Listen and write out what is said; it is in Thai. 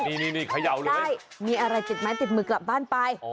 มีอะไรติดไหมติดมือกลับบ้านไป